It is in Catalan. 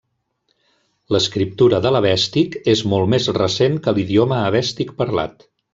L'escriptura de l'Avèstic és molt més recent que l'idioma avèstic parlat.